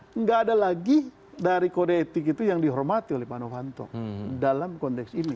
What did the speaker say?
tidak ada lagi dari kode etik itu yang dihormati oleh pak novanto dalam konteks ini